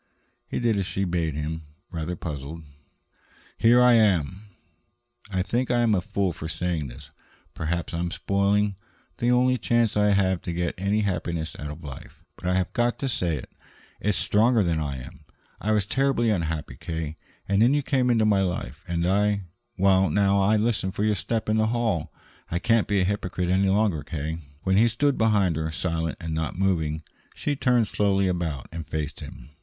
He did as she bade him, rather puzzled. "Here I am." "I think I am a fool for saying this. Perhaps I am spoiling the only chance I have to get any happiness out of life. But I have got to say it. It's stronger than I am. I was terribly unhappy, K., and then you came into my life, and I now I listen for your step in the hall. I can't be a hypocrite any longer, K." When he stood behind her, silent and not moving, she turned slowly about and faced him.